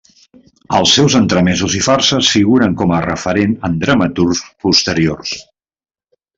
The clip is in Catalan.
Els seus entremesos i farses figuren com a referent en dramaturgs posteriors.